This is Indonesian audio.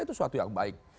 itu suatu yang baik